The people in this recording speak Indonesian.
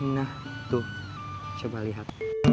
nah tuh coba lihat